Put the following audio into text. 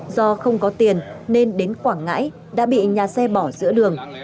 do không có tiền nên đến quảng ngãi đã bị nhà xe bỏ giữa đường